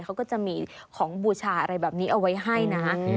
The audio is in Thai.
เขาก็จะมีของบูชาอะไรแบบนี้เอาไว้ให้นะ